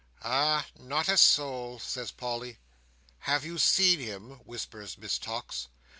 "Ah! not a soul," says Polly. "Have you seen him?" whispers Miss Tox.